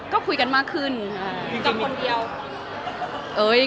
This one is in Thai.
กับคนเดียว